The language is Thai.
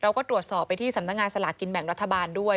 เราก็ตรวจสอบไปที่สำนักงานสลากินแบ่งรัฐบาลด้วย